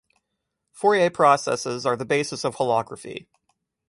Fourier processes are the basis of holography.